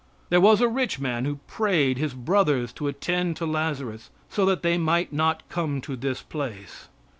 There was a rich man who prayed his brothers to attend to Lazarus so that they might "not come to this place."